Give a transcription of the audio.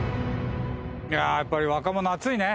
いやあやっぱり若者は熱いね！